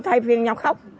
thay phiên nhau khóc